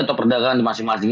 atau perdagangan di masing masing